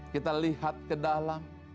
kita lihat ke dalam